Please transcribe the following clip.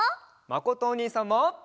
まことおにいさんも。